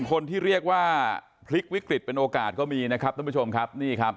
คนที่เรียกว่าพลิกวิกฤตเป็นโอกาสก็มีนะครับท่านผู้ชมครับนี่ครับ